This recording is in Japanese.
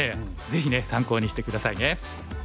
ぜひね参考にして下さいね。